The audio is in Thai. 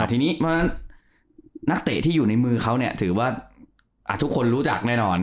ทีนี้นักเตะที่อยู่ในมือเขาถือว่าทุกคนรู้จักแน่นอน